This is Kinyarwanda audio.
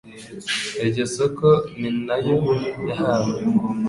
iryo soko ni na yo yahawe